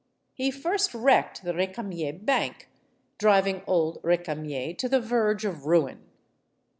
He first wrecked the Recamier bank, driving old Recamier to the verge of ruin.